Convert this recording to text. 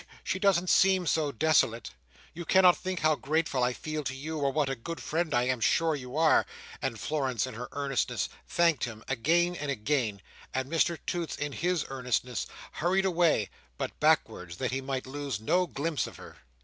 She doesn't seem so desolate. You cannot think how grateful I feel to you, or what a good friend I am sure you are!" and Florence in her earnestness thanked him again and again; and Mr Toots, in his earnestness, hurried away—but backwards, that he might lose no glimpse of her.